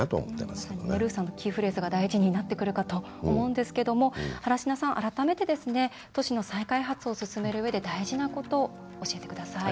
まさにルーさんのキーフレーズが大事になってくるかと思いますが原科さん、改めて都市の再開発を進めるうえで大事なこと、教えてください。